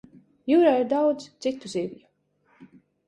Jūrā ir daudz citu zivju.